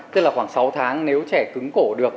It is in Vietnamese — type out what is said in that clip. tức là khoảng sáu tháng nếu trẻ cứng cổ được